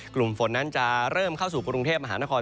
กลุ่มฝนนั้นจะเริ่มเข้าสู่กรุงเทพมหานคร